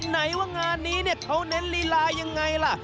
ไหนว่างานนี้เนี่ยเขาเน้นลีลายังไงล่ะ